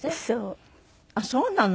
ああそうなの？